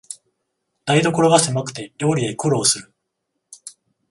台所がせまくて料理で苦労する